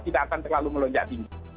tidak akan terlalu melonjak tinggi